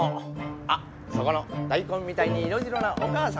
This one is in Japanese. あっそこのだいこんみたいに色白なおかあさん。